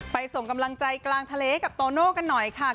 ส่งกำลังใจกลางทะเลกับโตโน่กันหน่อยค่ะ